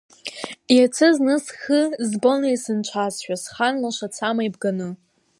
Иацы зны схы збонеи сынцәазшәа, схан лаша цама ибганы?